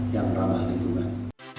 yang ramah lingkungan